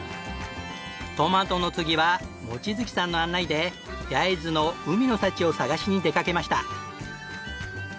トマトの次は望月さんの案内で焼津の海の幸を探しに出かけました。